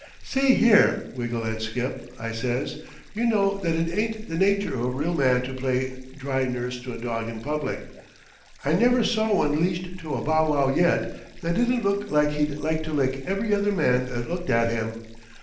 "See, here, Wiggle and Skip," I says, "you know that it ain't the nature of a real man to play dry nurse to a dog in public. I never saw one leashed to a bow wow yet that didn't look like he'd like to lick every other man that looked at him.